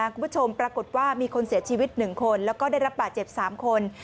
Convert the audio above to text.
คุณผู้ชมปรากฏว่ามีคนเสียชีวิต๑คนแล้วก็ได้รับบาดเจ็บ๓คน